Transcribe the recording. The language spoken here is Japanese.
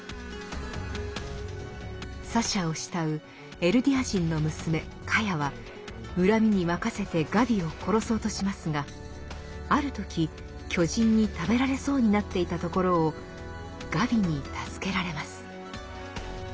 サシャを慕うエルディア人の娘カヤは恨みに任せてガビを殺そうとしますがある時巨人に食べられそうになっていたところをガビに助けられます。